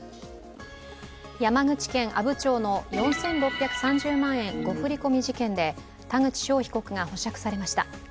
山口県阿武町の４６３０万円誤振り込み事件で、田口翔被告が保釈されました。